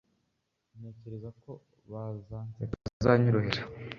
ntekereza ko bazanseka ko bitazanyorohera